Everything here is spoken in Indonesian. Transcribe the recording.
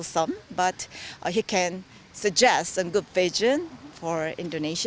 dia dapat menunjukkan visi yang baik untuk orang indonesia